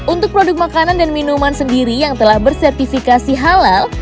untuk produk makanan dan minuman sendiri yang telah bersertifikasi halal